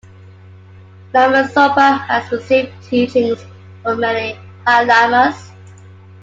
Lama Zopa has received teachings from many high lamas.